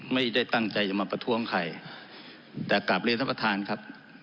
ไม่ได้ตั้งใจจะมาประท้วงใครแต่กลับเรียนท่านประธานครับ